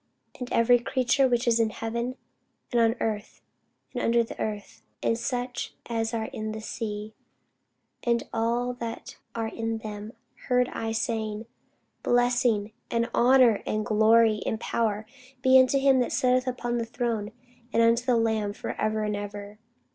And every creature which is in heaven, and on the earth, and under the earth, and such as are in the sea, and all that are in them, heard I saying, Blessing, and honour, and glory, and power, be unto him that sitteth upon the throne, and unto the Lamb for ever and ever.